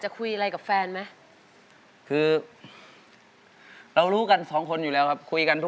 ครับ